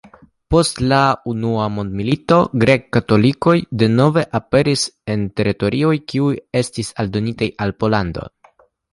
Post la unua mondmilito grek-katolikoj denove aperis en teritorioj kiuj estis aldonitaj al Pollando.